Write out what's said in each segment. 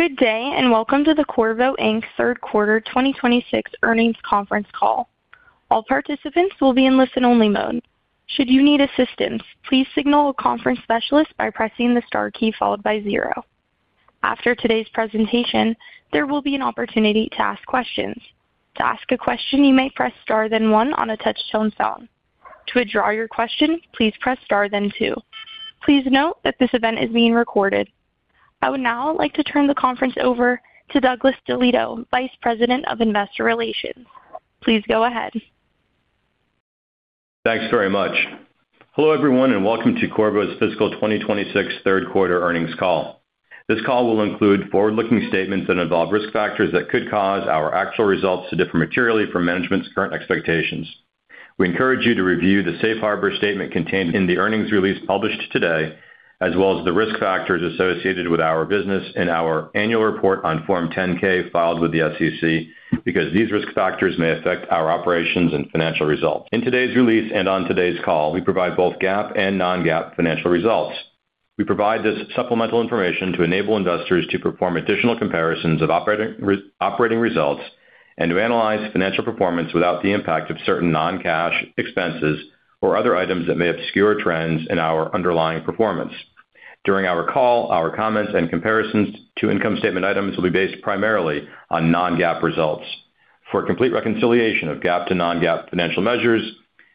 Good day, and welcome to the Qorvo, Inc. Third Quarter 2026 Earnings Conference Call. All participants will be in listen-only mode. Should you need assistance, please signal a conference specialist by pressing the star key followed by zero. After today's presentation, there will be an opportunity to ask questions. To ask a question, you may press star, then one on a touch-tone phone. To withdraw your question, please press star, then two. Please note that this event is being recorded. I would now like to turn the conference over to Douglas DeLieto, Vice President of Investor Relations. Please go ahead. Thanks very much. Hello, everyone, and welcome to Qorvo's Fiscal 2026 third quarter earnings call. This call will include forward-looking statements that involve risk factors that could cause our actual results to differ materially from management's current expectations. We encourage you to review the safe harbor statement contained in the earnings release published today, as well as the risk factors associated with our business and our annual report on Form 10-K filed with the SEC, because these risk factors may affect our operations and financial results. In today's release and on today's call, we provide both GAAP and non-GAAP financial results. We provide this supplemental information to enable investors to perform additional comparisons of operating, operating results and to analyze financial performance without the impact of certain non-cash expenses or other items that may obscure trends in our underlying performance. During our call, our comments and comparisons to income statement items will be based primarily on non-GAAP results. For a complete reconciliation of GAAP to non-GAAP financial measures,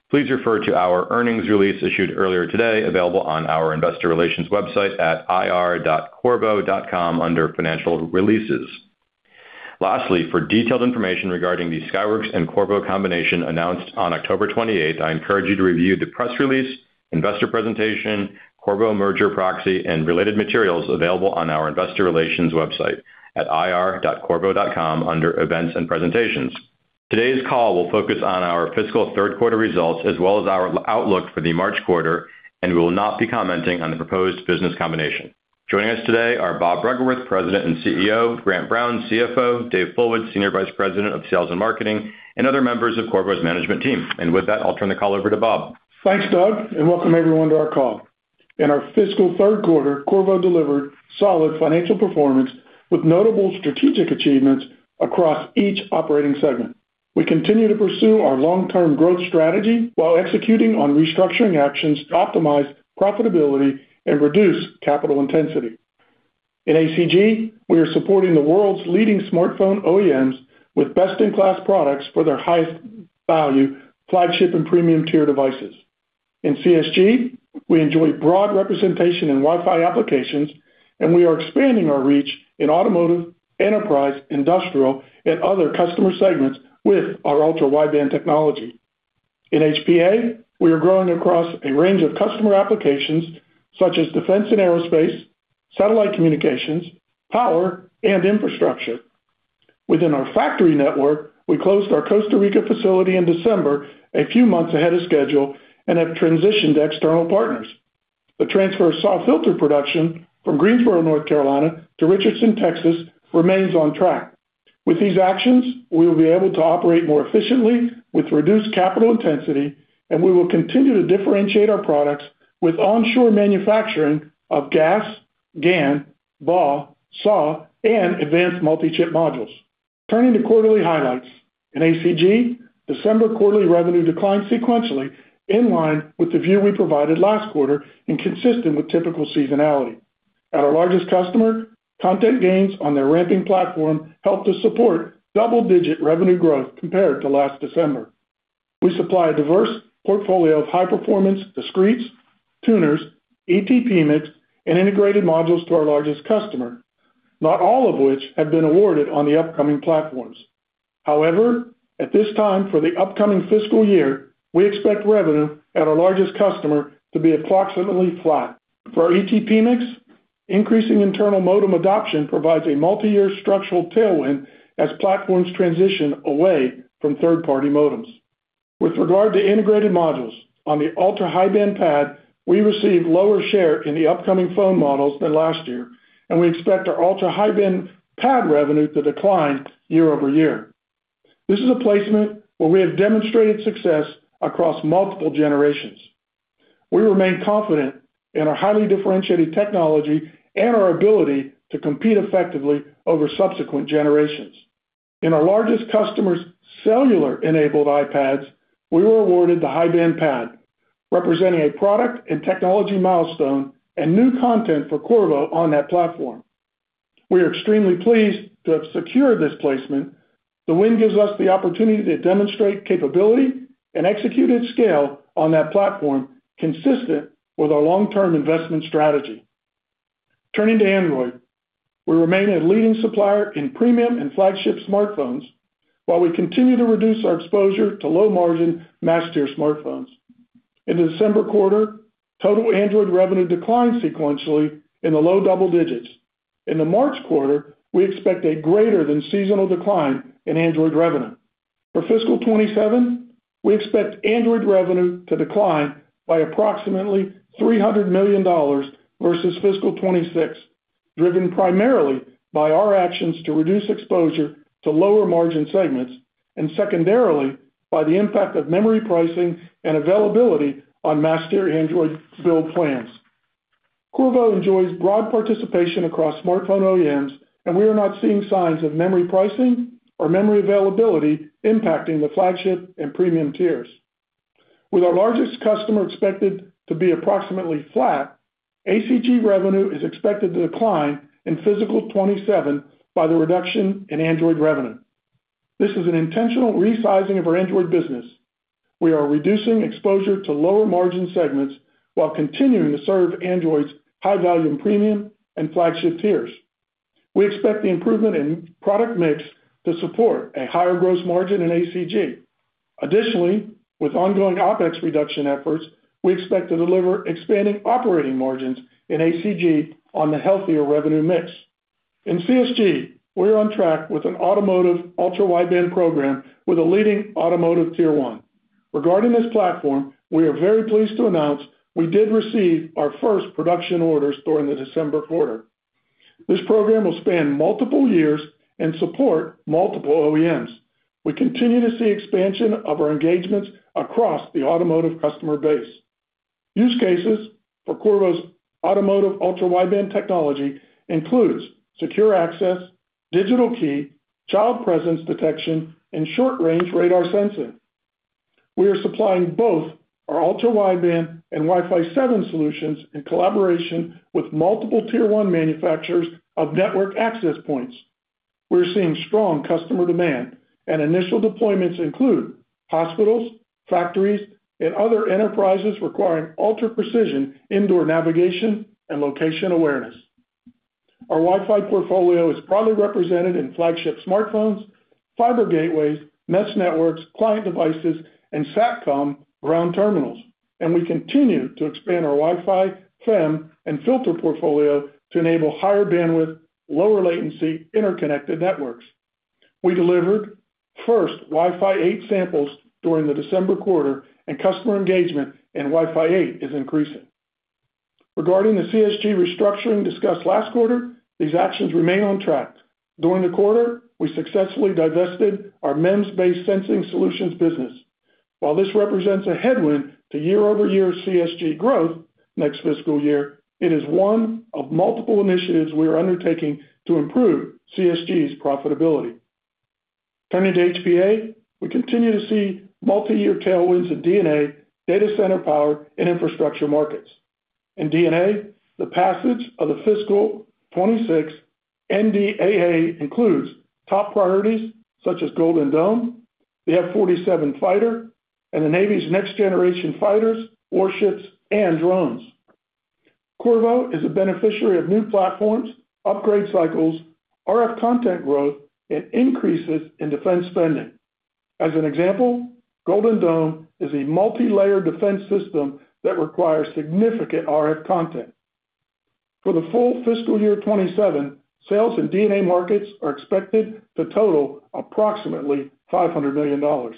please refer to our earnings release issued earlier today, available on our investor relations website at ir.qorvo.com under Financial Releases. Lastly, for detailed information regarding the Skyworks and Qorvo combination announced on October 28th, I encourage you to review the press release, investor presentation, Qorvo merger proxy, and related materials available on our investor relations website at ir.qorvo.com under Events and Presentations. Today's call will focus on our fiscal third quarter results as well as our outlook for the March quarter, and we will not be commenting on the proposed business combination. Joining us today are Bob Bruggeworth, President and CEO, Grant Brown, CFO, Dave Fullwood, Senior Vice President of Sales and Marketing, and other members of Qorvo's management team. With that, I'll turn the call over to Bob. Thanks, Doug, and welcome everyone to our call. In our fiscal third quarter, Qorvo delivered solid financial performance with notable strategic achievements across each operating segment. We continue to pursue our long-term growth strategy while executing on restructuring actions to optimize profitability and reduce capital intensity. In ACG, we are supporting the world's leading smartphone OEMs with best-in-class products for their highest value, flagship and premium-tier devices. In CSG, we enjoy broad representation in Wi-Fi applications, and we are expanding our reach in automotive, enterprise, industrial, and other customer segments with our ultra-wideband technology. In HPA, we are growing across a range of customer applications, such as defense and aerospace, satellite communications, power, and infrastructure. Within our factory network, we closed our Costa Rica facility in December, a few months ahead of schedule, and have transitioned to external partners. The transfer of SAW filter production from Greensboro, North Carolina, to Richardson, Texas, remains on track. With these actions, we will be able to operate more efficiently with reduced capital intensity, and we will continue to differentiate our products with onshore manufacturing of GaAs, GaN, BAW, SAW, and advanced multi-chip modules. Turning to quarterly highlights. In ACG, December quarterly revenue declined sequentially, in line with the view we provided last quarter and consistent with typical seasonality. At our largest customer, content gains on their ramping platform helped to support double-digit revenue growth compared to last December. We supply a diverse portfolio of high-performance discretes, tuners, ET PMICs, and integrated modules to our largest customer, not all of which have been awarded on the upcoming platforms. However, at this time, for the upcoming fiscal year, we expect revenue at our largest customer to be approximately flat. For our ET PMIC, increasing internal modem adoption provides a multiyear structural tailwind as platforms transition away from third-party modems. With regard to integrated modules, on the ultra-high-band PAD, we received lower share in the upcoming phone models than last year, and we expect our ultra-high-band PAD revenue to decline year over year. This is a placement where we have demonstrated success across multiple generations. We remain confident in our highly differentiated technology and our ability to compete effectively over subsequent generations. In our largest customer's cellular-enabled iPads, we were awarded the high-band PAD, representing a product and technology milestone and new content for Qorvo on that platform. We are extremely pleased to have secured this placement. The win gives us the opportunity to demonstrate capability and execute at scale on that platform, consistent with our long-term investment strategy. Turning to Android. We remain a leading supplier in premium and flagship smartphones, while we continue to reduce our exposure to low-margin, mass-tier smartphones. In the December quarter, total Android revenue declined sequentially in the low double digits. In the March quarter, we expect a greater than seasonal decline in Android revenue. For fiscal 2027, we expect Android revenue to decline by approximately $300 million versus fiscal 2026, driven primarily by our actions to reduce exposure to lower-margin segments, and secondarily, by the impact of memory pricing and availability on mass-tier Android build plans. Qorvo enjoys broad participation across smartphone OEMs, and we are not seeing signs of memory pricing or memory availability impacting the flagship and premium tiers. With our largest customer expected to be approximately flat, ACG revenue is expected to decline in fiscal 2027 by the reduction in Android revenue. This is an intentional resizing of our Android business. We are reducing exposure to lower margin segments while continuing to serve Android's high-volume premium and flagship tiers. We expect the improvement in product mix to support a higher gross margin in ACG. Additionally, with ongoing OpEx reduction efforts, we expect to deliver expanding operating margins in ACG on the healthier revenue mix. In CSG, we're on track with an automotive ultra-wideband program with a leading automotive Tier 1. Regarding this platform, we are very pleased to announce we did receive our first production orders during the December quarter. This program will span multiple years and support multiple OEMs. We continue to see expansion of our engagements across the automotive customer base. Use cases for Qorvo's automotive ultra-wideband technology includes secure access, digital key, child presence detection, and short-range radar sensing. We are supplying both our ultra-wideband and Wi-Fi 7 solutions in collaboration with multiple Tier 1 manufacturers of network access points. We're seeing strong customer demand, and initial deployments include hospitals, factories, and other enterprises requiring ultra-precision indoor navigation and location awareness. Our Wi-Fi portfolio is proudly represented in flagship smartphones, fiber gateways, mesh networks, client devices, and SatCom ground terminals, and we continue to expand our Wi-Fi, FEM, and filter portfolio to enable higher bandwidth, lower latency, interconnected networks. We delivered first Wi-Fi 8 samples during the December quarter, and customer engagement in Wi-Fi 8 is increasing. Regarding the CSG restructuring discussed last quarter, these actions remain on track. During the quarter, we successfully divested our MEMS-based sensing solutions business. While this represents a headwind to year-over-year CSG growth next fiscal year, it is one of multiple initiatives we are undertaking to improve CSG's profitability. Turning to HPA, we continue to see multiyear tailwinds in D&A, data center power, and infrastructure markets. In D&A, the passage of the fiscal 2026 NDAA includes top priorities such as Golden Dome, the F-47 fighter, and the Navy's next-generation fighters, warships, and drones. Qorvo is a beneficiary of new platforms, upgrade cycles, RF content growth, and increases in defense spending. As an example, Golden Dome is a multilayer defense system that requires significant RF content. For the full fiscal year 2027, sales in D&A markets are expected to total approximately $500 million.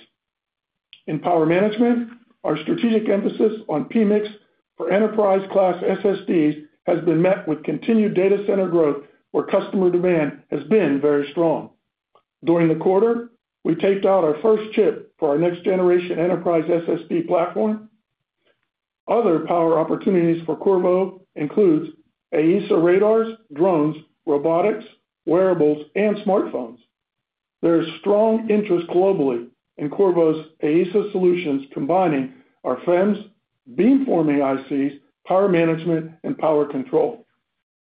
In power management, our strategic emphasis on PMIC for enterprise-class SSDs has been met with continued data center growth, where customer demand has been very strong. During the quarter, we taped out our first chip for our next-generation enterprise SSD platform. Other power opportunities for Qorvo includes AESA radars, drones, robotics, wearables, and smartphones. There is strong interest globally in Qorvo's AESA solutions, combining our FEMs, beamforming ICs, power management, and power control.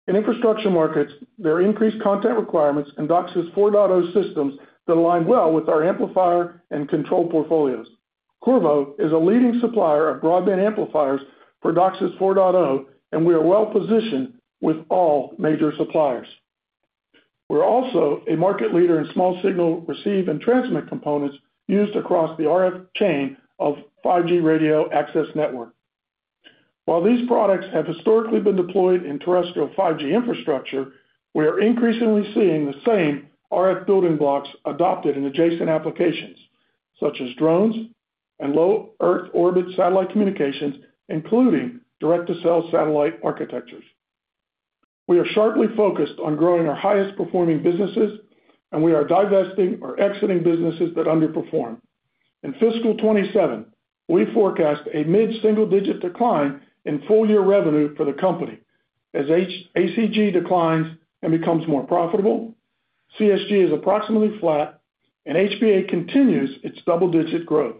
In infrastructure markets, there are increased content requirements in DOCSIS 4.0 systems that align well with our amplifier and control portfolios. Qorvo is a leading supplier of broadband amplifiers for DOCSIS 4.0, and we are well positioned with all major suppliers. We're also a market leader in small signal, receive, and transmit components used across the RF chain of 5G radio access network. While these products have historically been deployed in terrestrial 5G infrastructure, we are increasingly seeing the same RF building blocks adopted in adjacent applications, such as drones and low Earth orbit satellite communications, including direct-to-cell satellite architectures. We are sharply focused on growing our highest-performing businesses, and we are divesting or exiting businesses that underperform. In fiscal 2027, we forecast a mid-single-digit decline in full-year revenue for the company as ACG declines and becomes more profitable, CSG is approximately flat, and HPA continues its double-digit growth.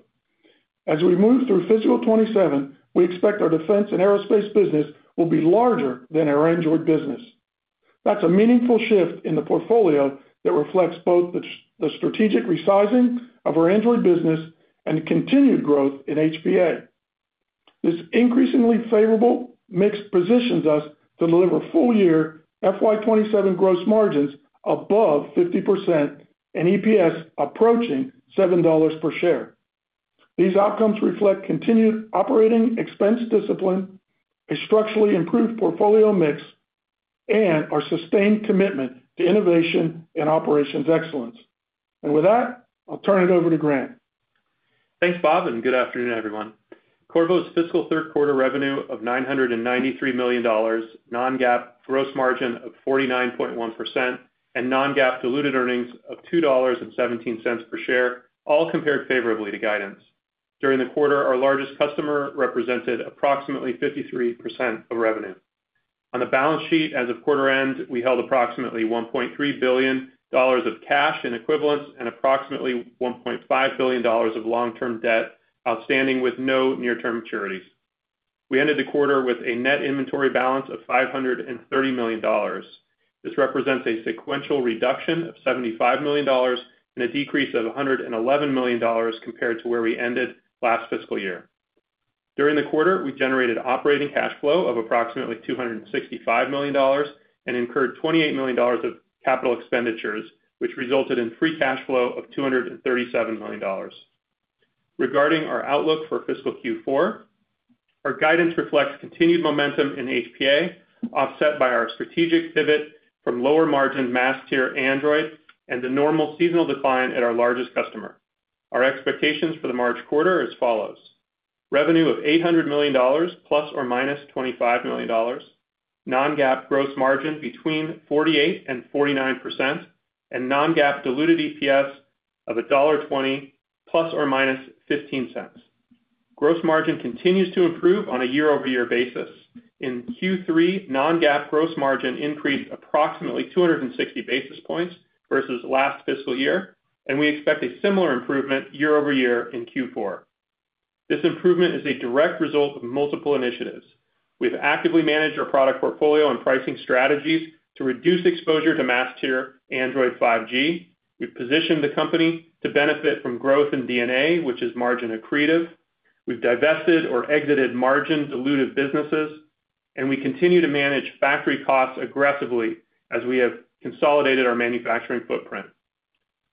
As we move through fiscal 2027, we expect our defense and aerospace business will be larger than our Android business. That's a meaningful shift in the portfolio that reflects both the strategic resizing of our Android business and continued growth in HPA. This increasingly favorable mix positions us to deliver full-year FY 2027 gross margins above 50% and EPS approaching $7 per share. These outcomes reflect continued operating expense discipline, a structurally improved portfolio mix, and our sustained commitment to innovation and operations excellence. And with that, I'll turn it over to Grant. Thanks, Bob, and good afternoon, everyone. Qorvo's fiscal third quarter revenue of $993 million, non-GAAP gross margin of 49.1%, and non-GAAP diluted earnings of $2.17 per share, all compared favorably to guidance. During the quarter, our largest customer represented approximately 53% of revenue. On the balance sheet, as of quarter end, we held approximately $1.3 billion of cash and equivalents and approximately $1.5 billion of long-term debt outstanding, with no near-term maturities. We ended the quarter with a net inventory balance of $530 million. This represents a sequential reduction of $75 million and a decrease of $111 million compared to where we ended last fiscal year. During the quarter, we generated operating cash flow of approximately $265 million and incurred $28 million of capital expenditures, which resulted in free cash flow of $237 million. Regarding our outlook for Fiscal Q4, our guidance reflects continued momentum in HPA, offset by our strategic pivot from lower-margin mass-tier Android and the normal seasonal decline at our largest customer. Our expectations for the March quarter are as follows: revenue of $800 million ± $25 million, non-GAAP gross margin between 48% and 49%, and non-GAAP diluted EPS of $1.20 ± $0.15. Gross margin continues to improve on a year-over-year basis. In Q3, non-GAAP gross margin increased approximately 260 basis points versus last fiscal year, and we expect a similar improvement year-over-year in Q4. This improvement is a direct result of multiple initiatives. We've actively managed our product portfolio and pricing strategies to reduce exposure to mass-tier Android 5G. We've positioned the company to benefit from growth in D&A, which is margin accretive. We've divested or exited margin diluted businesses, and we continue to manage factory costs aggressively as we have consolidated our manufacturing footprint.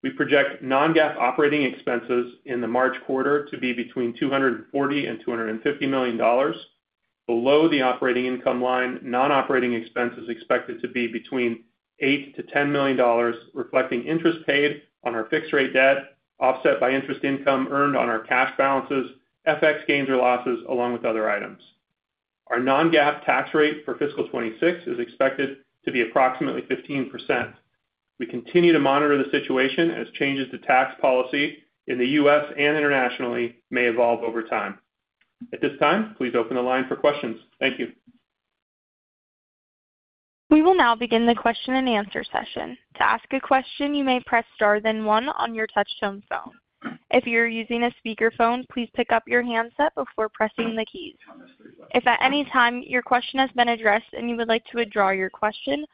We project non-GAAP operating expenses in the March quarter to be between $240 million and $250 million. Below the operating income line, non-operating expense is expected to be between $8 million-$10 million, reflecting interest paid on our fixed rate debt, offset by interest income earned on our cash balances, FX gains or losses, along with other items. Our non-GAAP tax rate for fiscal 2026 is expected to be approximately 15%. We continue to monitor the situation as changes to tax policy in the U.S. and internationally may evolve over time. At this time, please open the line for questions. Thank you. We will now begin the question-and-answer session. To ask a question, you may press star then one on your touch-tone phone. If you're using a speakerphone, please pick up your handset before pressing the keys. If at any time your question has been addressed and you would like to withdraw your question,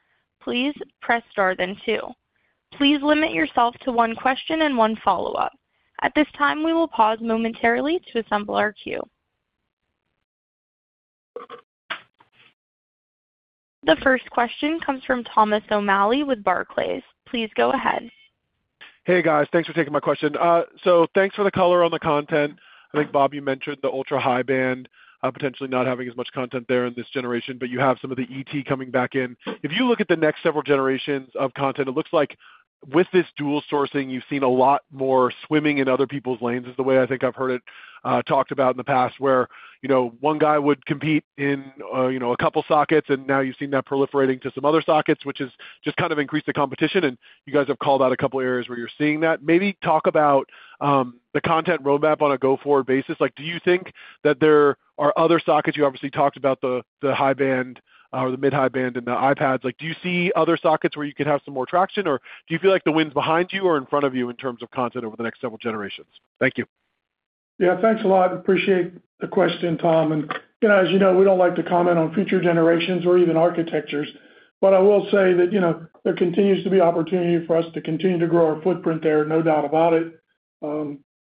please press star then two. Please limit yourself to one question and one follow-up. At this time, we will pause momentarily to assemble our queue. The first question comes from Thomas O'Malley with Barclays. Please go ahead. Hey, guys. Thanks for taking my question. So thanks for the color on the content. I think, Bob, you mentioned the ultra-high band, potentially not having as much content there in this generation, but you have some of the ET coming back in. If you look at the next several generations of content, it looks like with this dual sourcing, you've seen a lot more swimming in other people's lanes, is the way I think I've heard it talked about in the past, where, you know, one guy would compete in, you know, a couple sockets, and now you've seen that proliferating to some other sockets, which has just kind of increased the competition, and you guys have called out a couple of areas where you're seeing that. Maybe talk about the content roadmap on a go-forward basis. Like, do you think that there are other sockets—you obviously talked about the high band or the mid-high band and the iPads. Like, do you see other sockets where you could have some more traction? Or do you feel like the wind's behind you or in front of you in terms of content over the next several generations? Thank you. Yeah, thanks a lot. Appreciate the question, Tom. And, you know, as you know, we don't like to comment on future generations or even architectures, but I will say that, you know, there continues to be opportunity for us to continue to grow our footprint there, no doubt about it.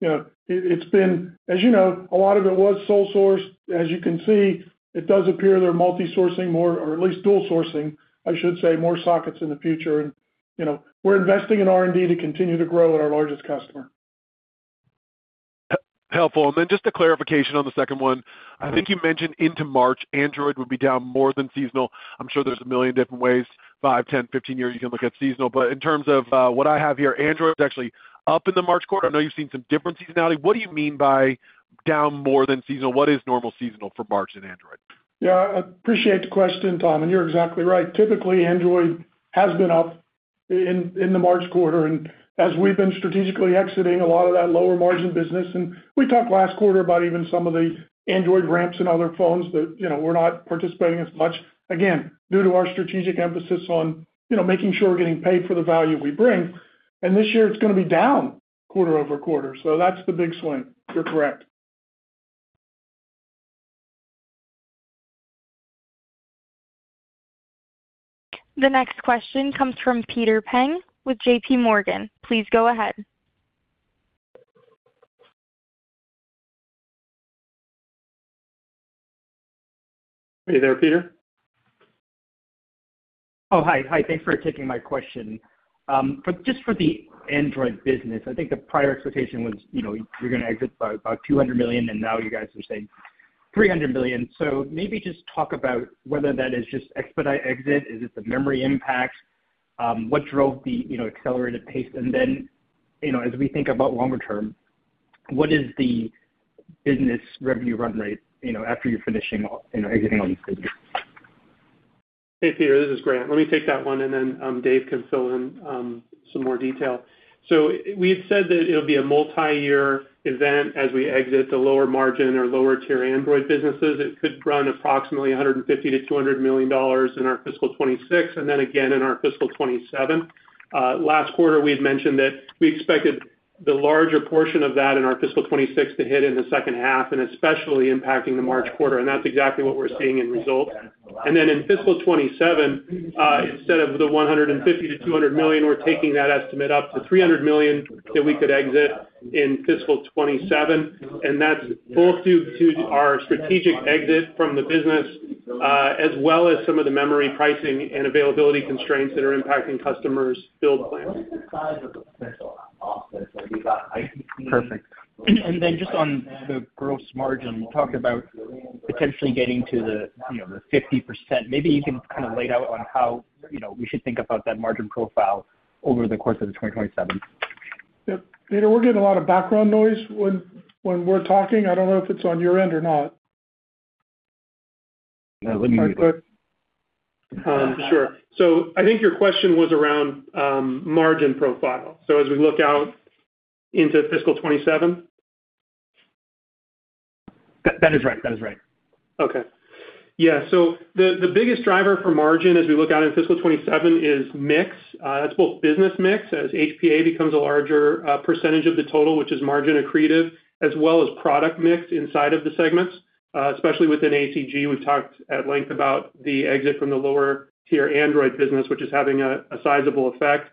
You know, it, it's been, as you know, a lot of it was sole sourced. As you can see, it does appear they're multi-sourcing more, or at least dual sourcing, I should say, more sockets in the future. And, you know, we're investing in R&D to continue to grow at our largest customer. Helpful. Then just a clarification on the second one. I think you mentioned into March, Android would be down more than seasonal. I'm sure there's a million different ways, five, 10, 15 years, you can look at seasonal. But in terms of what I have here, Android was actually up in the March quarter. I know you've seen some different seasonality. What do you mean by down more than seasonal? What is normal seasonal for March in Android? Yeah, I appreciate the question, Tom, and you're exactly right. Typically, Android has been up in the March quarter, and as we've been strategically exiting a lot of that lower margin business, and we talked last quarter about even some of the Android ramps and other phones that, you know, we're not participating as much. Again, due to our strategic emphasis on, you know, making sure we're getting paid for the value we bring, and this year it's gonna be down quarter over quarter. So that's the big swing. You're correct. The next question comes from Peter Peng with JPMorgan. Please go ahead. Are you there, Peter? Oh, hi. Hi, thanks for taking my question. But just for the Android business, I think the prior expectation was, you know, you're gonna exit by about $200 million, and now you guys are saying $300 million. So maybe just talk about whether that is just expedite exit. Is it the memory impact? What drove the, you know, accelerated pace? And then, you know, as we think about longer term, what is the business revenue run rate, you know, after you're finishing, you know, exiting on this business? Hey, Peter, this is Grant. Let me take that one, and then Dave can fill in some more detail. So we've said that it'll be a multi-year event as we exit the lower margin or lower-tier Android businesses. It could run approximately $150 million-$200 million in our fiscal 2026, and then again in our fiscal 2027. Last quarter, we had mentioned that we expected the larger portion of that in our fiscal 2026 to hit in the second half, and especially impacting the March quarter, and that's exactly what we're seeing in results. Then in fiscal 2027, instead of the $150 million-$200 million, we're taking that estimate up to $300 million that we could exit in fiscal 2027, and that's fully due to our strategic exit from the business, as well as some of the memory pricing and availability constraints that are impacting customers' build plans. Perfect. And then just on the gross margin, you talked about potentially getting to the, you know, the 50%. Maybe you can kind of lay it out on how, you know, we should think about that margin profile over the course of the 2027? Yep. Peter, we're getting a lot of background noise when we're talking. I don't know if it's on your end or not. Let me- All right, go ahead. Sure. So I think your question was around margin profile, so as we look out into fiscal 2027? That, that is right, that is right. Okay. Yeah, so the biggest driver for margin as we look out in fiscal 2027 is mix. That's both business mix, as HPA becomes a larger percentage of the total, which is margin accretive, as well as product mix inside of the segments, especially within ACG. We've talked at length about the exit from the lower-tier Android business, which is having a sizable effect.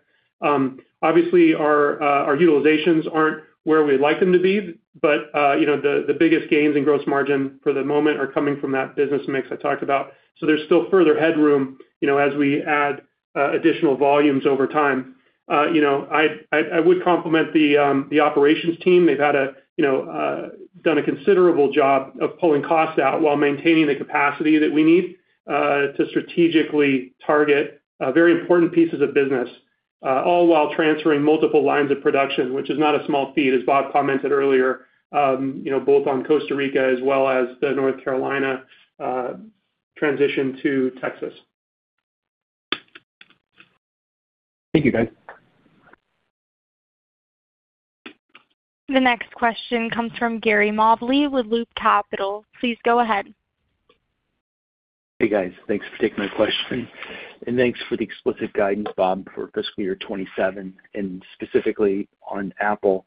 Obviously, our utilizations aren't where we'd like them to be, but you know, the biggest gains in gross margin for the moment are coming from that business mix I talked about. So there's still further headroom, you know, as we add additional volumes over time. You know, I would compliment the operations team. They've, you know, done a considerable job of pulling costs out while maintaining the capacity that we need to strategically target very important pieces of business all while transferring multiple lines of production, which is not a small feat, as Bob commented earlier, you know, both on Costa Rica as well as the North Carolina transition to Texas. Thank you, guys. The next question comes from Gary Mobley with Loop Capital. Please go ahead. Hey, guys. Thanks for taking my question, and thanks for the explicit guidance, Bob, for fiscal year 27, and specifically on Apple.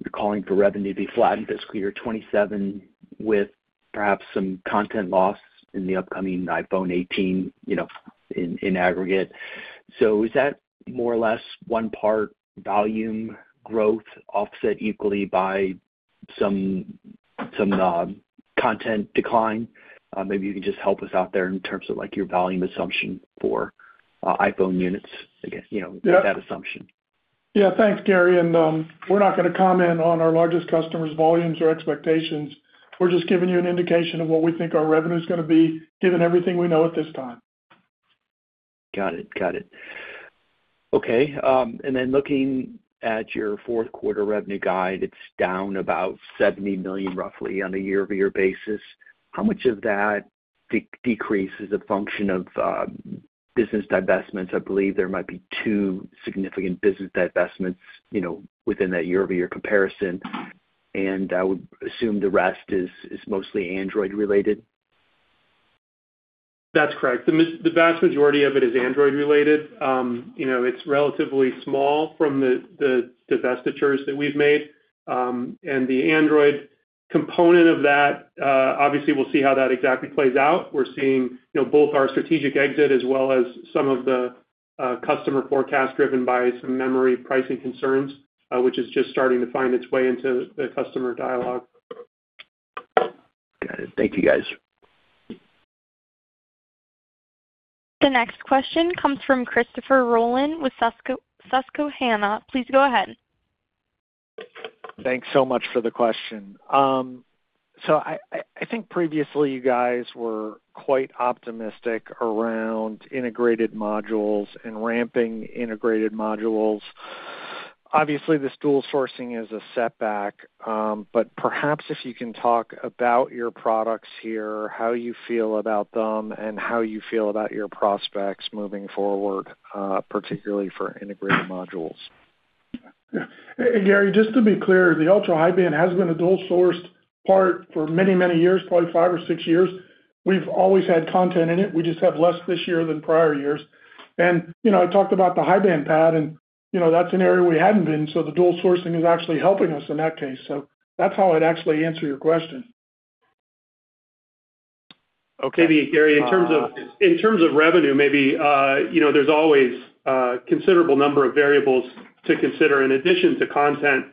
You're calling for revenue to be flat in fiscal year 27, with perhaps some content loss in the upcoming iPhone 18, you know, in aggregate. So is that more or less one part volume growth, offset equally by some content decline? Maybe you can just help us out there in terms of, like, your volume assumption for iPhone units, I guess, you know- Yeah -that assumption. Yeah, thanks, Gary, and we're not going to comment on our largest customers' volumes or expectations. We're just giving you an indication of what we think our revenue is going to be, given everything we know at this time. Got it. Got it. Okay, and then looking at your fourth quarter revenue guide, it's down about $70 million, roughly, on a year-over-year basis. How much of that decrease is a function of business divestments? I believe there might be two significant business divestments, you know, within that year-over-year comparison, and I would assume the rest is mostly Android related. That's correct. The vast majority of it is Android related. You know, it's relatively small from the, the divestitures that we've made. And the Android component of that, obviously, we'll see how that exactly plays out. We're seeing, you know, both our strategic exit as well as some of the, customer forecast driven by some memory pricing concerns, which is just starting to find its way into the customer dialogue. Got it. Thank you, guys. The next question comes from Christopher Rolland with Susquehanna. Please go ahead. Thanks so much for the question. So I think previously you guys were quite optimistic around integrated modules and ramping integrated modules. Obviously, this dual sourcing is a setback, but perhaps if you can talk about your products here, how you feel about them and how you feel about your prospects moving forward, particularly for integrated modules. Yeah. And, Gary, just to be clear, the ultra-high-band has been a dual-sourced part for many, many years, probably five or six years. We've always had content in it. We just have less this year than prior years. And, you know, I talked about the high-band PAD, and, you know, that's an area we hadn't been, so the dual sourcing is actually helping us in that case. So that's how I'd actually answer your question. Okay. Maybe, Gary, in terms of, in terms of revenue, maybe, you know, there's always a considerable number of variables to consider in addition to content,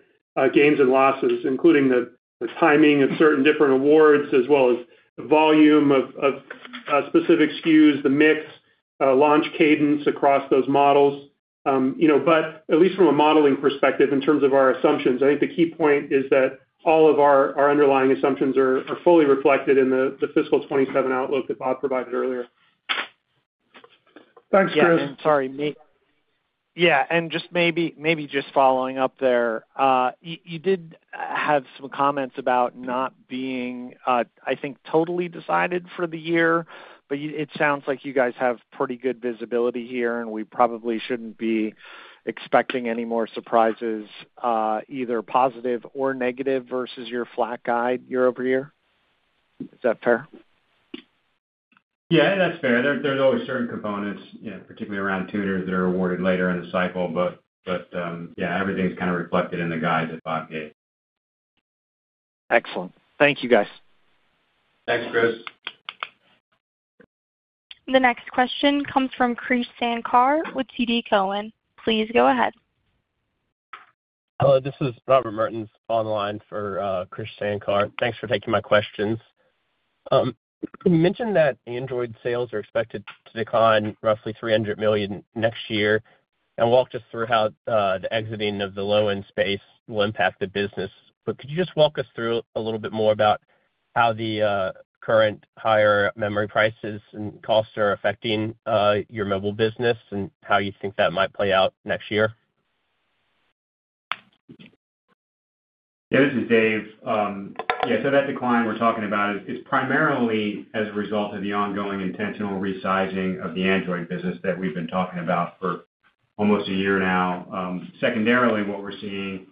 gains and losses, including the, the timing of certain different awards, as well as the volume of, of, specific SKUs, the mix, launch cadence across those models. You know, but at least from a modeling perspective, in terms of our assumptions, I think the key point is that all of our, our underlying assumptions are, are fully reflected in the, the fiscal 2027 outlook that Bob provided earlier. Thanks, Chris. Yeah, sorry, me. Yeah, and just maybe, maybe just following up there, you, you did have some comments about not being, I think, totally decided for the year, but you—it sounds like you guys have pretty good visibility here, and we probably shouldn't be expecting any more surprises, either positive or negative versus your flat guide year-over-year. Is that fair? Yeah, that's fair. There's always certain components, you know, particularly around tuners, that are awarded later in the cycle. But, yeah, everything's kind of reflected in the guide that Bob gave. Excellent. Thank you, guys. Thanks, Chris. The next question comes from Krish Sankar with TD Cowen. Please go ahead. Hello, this is Robert Mertens on the line for Krish Sankar. Thanks for taking my questions. You mentioned that Android sales are expected to decline roughly $300 million next year, and walk us through how the exiting of the low-end space will impact the business. But could you just walk us through a little bit more about how the current higher memory prices and costs are affecting your mobile business, and how you think that might play out next year? Yeah, this is Dave. Yeah, so that decline we're talking about is primarily as a result of the ongoing intentional resizing of the Android business that we've been talking about for almost a year now. Secondarily, what we're seeing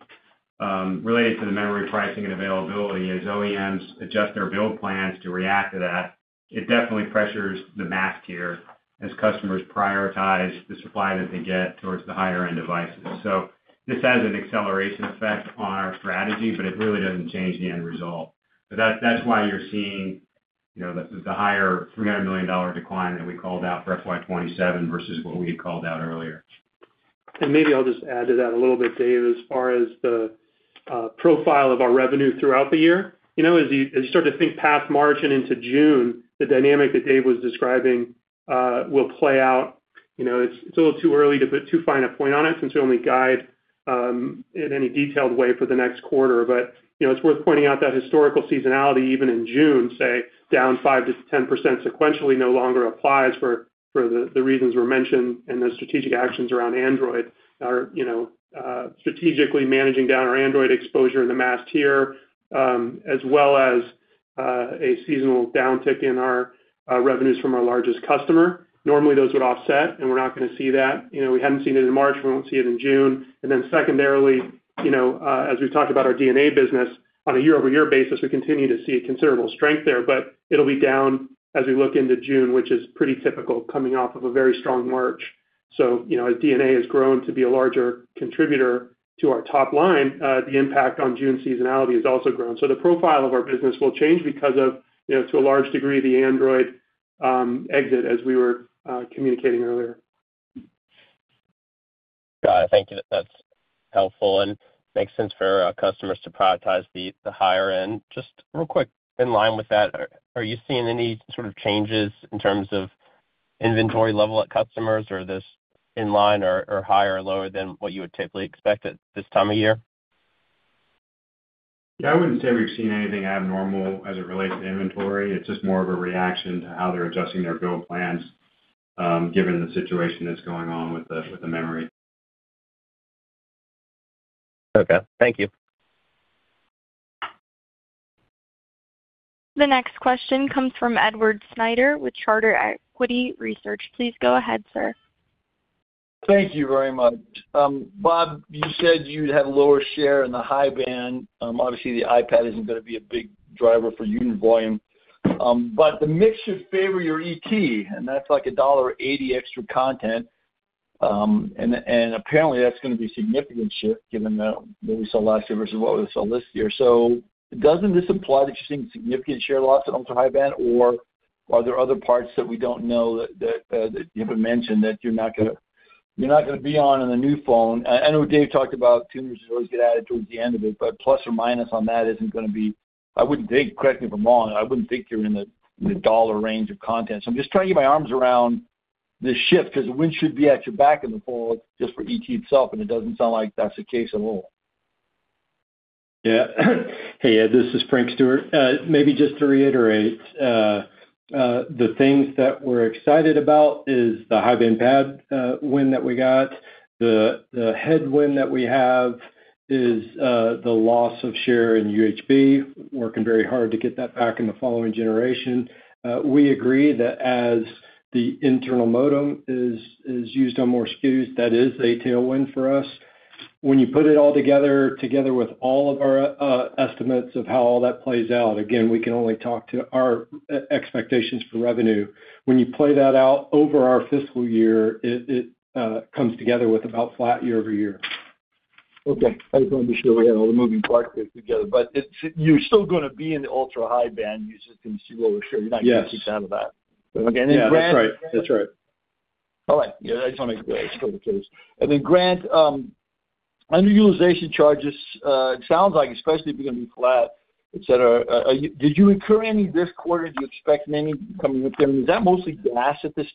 related to the memory pricing and availability, as OEMs adjust their build plans to react to that, it definitely pressures the mass tier as customers prioritize the supply that they get towards the higher end devices. So this has an acceleration effect on our strategy, but it really doesn't change the end result. But that, that's why you're seeing, you know, the higher $300 million decline that we called out for FY 2027 versus what we had called out earlier. And maybe I'll just add to that a little bit, Dave, as far as the profile of our revenue throughout the year. You know, as you, as you start to think past March and into June, the dynamic that Dave was describing will play out. You know, it's a little too early to put too fine a point on it, since we only guide in any detailed way for the next quarter. But, you know, it's worth pointing out that historical seasonality, even in June, say, down 5%-10% sequentially, no longer applies for the reasons were mentioned and the strategic actions around Android are, you know, strategically managing down our Android exposure in the mass tier, as well as a seasonal downtick in our revenues from our largest customer. Normally, those would offset, and we're not gonna see that. You know, we hadn't seen it in March, we won't see it in June. And then secondarily, you know, as we've talked about our D&A business, on a year-over-year basis, we continue to see a considerable strength there, but it'll be down as we look into June, which is pretty typical, coming off of a very strong March. So, you know, as D&A has grown to be a larger contributor to our top line, the impact on June seasonality has also grown. So the profile of our business will change because of, you know, to a large degree, the Android exit, as we were communicating earlier. Got it. Thank you. That's helpful and makes sense for our customers to prioritize the higher end. Just real quick, in line with that, are you seeing any sort of changes in terms of inventory level at customers, or this in line or higher or lower than what you would typically expect at this time of year? Yeah, I wouldn't say we've seen anything abnormal as it relates to inventory. It's just more of a reaction to how they're adjusting their build plans, given the situation that's going on with the memory. Okay. Thank you. The next question comes from Edward Snyder with Charter Equity Research. Please go ahead, sir. Thank you very much. Bob, you said you'd have lower share in the high band. Obviously, the iPad isn't gonna be a big driver for unit volume, but the mix should favor your ET, and that's like $1.80 extra content. And apparently, that's gonna be a significant shift, given what we saw last year versus what we saw this year. So doesn't this imply that you're seeing significant share loss in ultra-high band, or are there other parts that we don't know that you haven't mentioned, that you're not gonna be on the new phone? I know Dave talked about tuners always get added towards the end of it, but plus or minus on that isn't gonna be, I wouldn't think, correct me if I'm wrong, I wouldn't think you're in the dollar range of content. So I'm just trying to get my arms around this shift, 'cause the wind should be at your back in the forward, just for ET itself, and it doesn't sound like that's the case at all. Yeah. Hey, Ed, this is Frank Stewart. Maybe just to reiterate, the things that we're excited about is the high-band PAD win that we got. The headwind that we have is the loss of share in UHB. Working very hard to get that back in the following generation. We agree that as the internal modem is used on more SKUs, that is a tailwind for us. When you put it all together with all of our estimates of how all that plays out, again, we can only talk to our expectations for revenue. When you play that out over our fiscal year, it comes together with about flat year-over-year. Okay. I just wanted to be sure we had all the moving parts together. But it's- you're still gonna be in the ultra-high band, you're just gonna see lower share. Yes. You're not gonna get kicked out of that. Yeah, that's right. That's right. All right. Yeah, I just wanna make sure that's the case. And then, Grant, underutilization charges, it sounds like, especially if you're gonna be flat, et cetera, did you incur any this quarter? Do you expect any coming up? Is that mostly past at this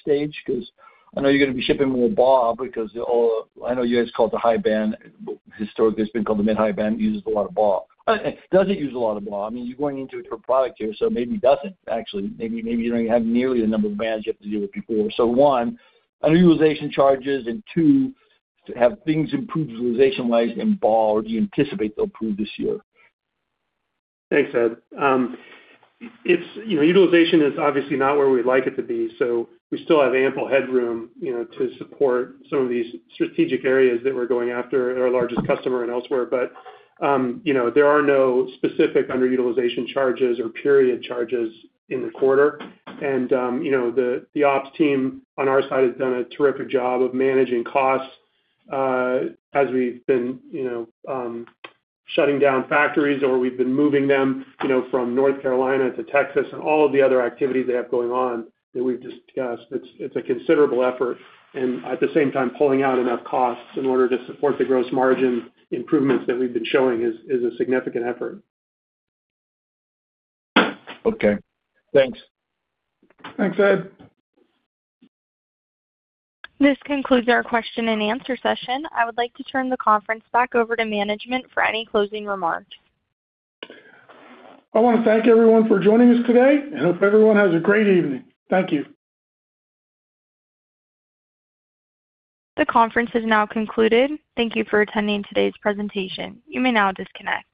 stage? 'Cause I know you're gonna be shipping more BOS because all I know you guys call it the high band, but historically, it's been called the mid-high band, uses a lot of BOS. Doesn't use a lot of BOS. I mean, you're going into a different product here, so maybe it doesn't, actually. Maybe, maybe you don't even have nearly the number of bands you have to deal with before. So one, underutilization charges, and two, have things improved utilization-wise in BOS, or do you anticipate they'll improve this year? Thanks, Ed. It's, you know, utilization is obviously not where we'd like it to be, so we still have ample headroom, you know, to support some of these strategic areas that we're going after at our largest customer and elsewhere. But, you know, there are no specific underutilization charges or period charges in the quarter. And, you know, the ops team on our side has done a terrific job of managing costs, as we've been, you know, shutting down factories or we've been moving them, you know, from North Carolina to Texas and all of the other activity they have going on that we've discussed. It's a considerable effort, and at the same time, pulling out enough costs in order to support the gross margin improvements that we've been showing is a significant effort. Okay. Thanks. Thanks, Ed. This concludes our question and answer session. I would like to turn the conference back over to management for any closing remarks. I wanna thank everyone for joining us today, and I hope everyone has a great evening. Thank you. The conference is now concluded. Thank you for attending today's presentation. You may now disconnect.